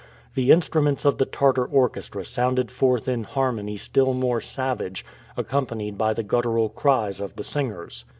The instruments of the Tartar orchestra sounded forth in harmony still more savage, accompanied by the guttural cries of the singers.